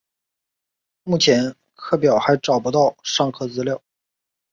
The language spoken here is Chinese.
目前课表还找不到上课资料